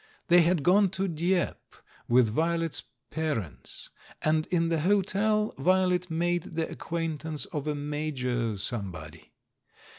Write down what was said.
They had gone to Dieppe with Vio let's parents, and in the hotel Violet made the acquaintance of a Major somebody.